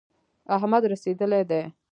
احمد رسېدلی دی.